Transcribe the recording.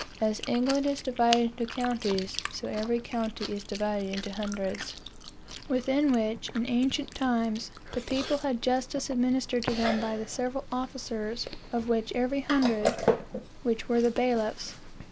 As England is divided into counties, so every county is divided into hundreds; within which, in ancient times, the people had justice administered to them by the several officers of every hundred, which were the bailiffs.